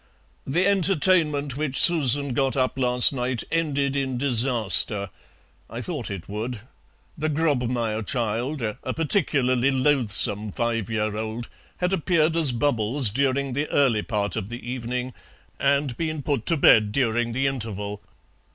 "The entertainment which Susan got up last night ended in disaster. I thought it would. The Grobmayer child, a particularly loathsome five year old, had appeared as 'Bubbles' during the early part of the evening, and been put to bed during the interval.